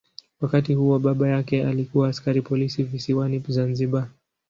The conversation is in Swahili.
Wakati huo baba yake alikuwa askari polisi visiwani Zanzibar.